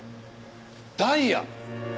ダイヤ。